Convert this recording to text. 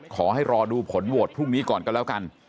ขอให้รอดูผลโหวตพรุ่งนี้ก่อนก็แล้วกัน